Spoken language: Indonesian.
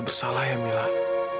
bersalah ya milah